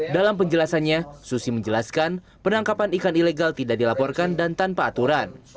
dalam penjelasannya susi menjelaskan penangkapan ikan ilegal tidak dilaporkan dan tanpa aturan